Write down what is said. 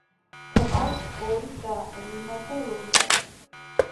ჰყავს ორი და, რიმა და როზა.